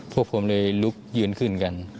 พวกผมเลยลุกยืนขึ้นกัน